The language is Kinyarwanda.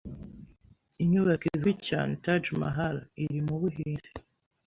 Inyubako izwi cyane, Taj Mahal, iri mu Buhinde.